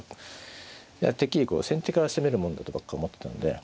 いやてっきりこう先手から攻めるもんだとばっか思ってたんで。